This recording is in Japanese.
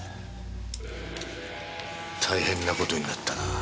大変な事になったな。